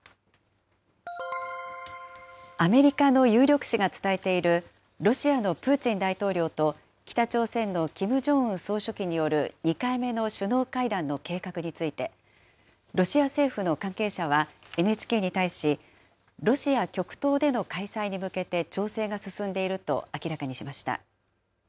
アメリカの有力紙が伝えている、ロシアのプーチン大統領と北朝鮮のキム・ジョンウン総書記による２回目の首脳会談の計画について、ロシア政府の関係者はＮＨＫに対し、ロシア極東での開催に向けて調整が進んでいると明らかにしました。